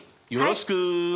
よろしく！